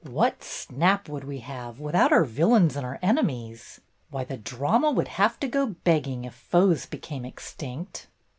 "What snap would we have without our villains and our enemies ? Why, the drama would have to go begging if foes became extinct!"